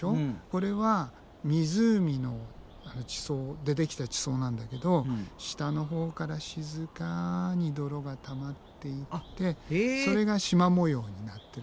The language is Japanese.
これは湖でできた地層なんだけど下のほうから静かに泥がたまっていってそれがしま模様になってるのね。